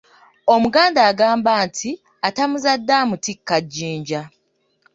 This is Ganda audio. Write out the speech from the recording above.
Omuganda agamba nti "Atamuzadde amutikka jjinja".